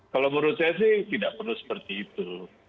kalau menurut saya sih tidak perlu seperti itu